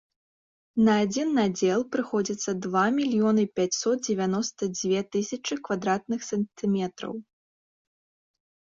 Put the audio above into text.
На адзін надзел прыходзіцца два мільёны пяцьсот дзевяноста дзве тысячы квадратных сантыметраў!